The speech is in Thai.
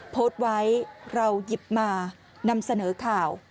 โพสต์ไว้เราหยิบมานำเสนอข่าว